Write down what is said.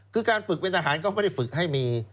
คือการฝึกเป็นทหารก็ไม่ได้ฝึกให้มี